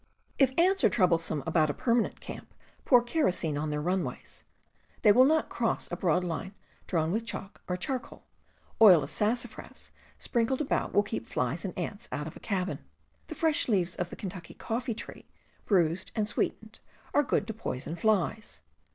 If ants are troublesome about a permanent camp, pour kerosene on their runways. They will not cross a broad line drawn with chalk or charcoal. Oil of sassafras sprinkled about will keep flies and ants out of a cabin. The fresh leaves of the Kentucky coffee tree, bruised and sweetened, are good to poison flies.